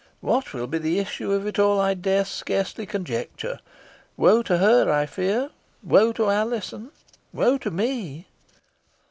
What will be the issue of it all, I dare scarcely conjecture. Wo to her, I fear! Wo to Alizon! Wo to me!"